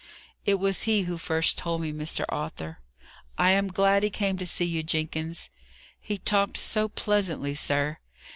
It was he who first told me, Mr. Arthur." "I am glad he came to see you, Jenkins." "He talked so pleasantly, sir.